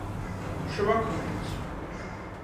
Švakmaņs.